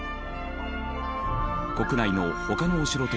国内の他のお城とは違い